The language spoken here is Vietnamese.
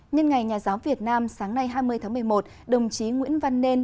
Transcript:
nhân ngày nhà giáo việt nam sáng nay hai mươi tháng một mươi một đồng chí nguyễn văn nên